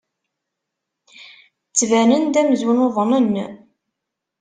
Ttbanen-d amzun uḍnen.